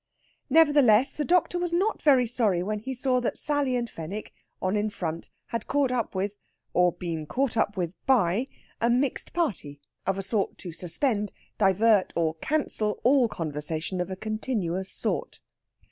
Nevertheless the doctor was not very sorry when he saw that Sally and Fenwick, on in front, had caught up with or been caught up with by a mixed party, of a sort to suspend, divert, or cancel all conversation of a continuous sort.